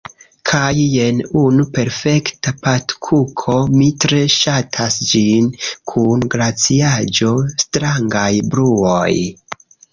Kaj jen unu perfekta patkuko, mi tre ŝatas ĝin, kun glaciaĵo. strangaj bruoj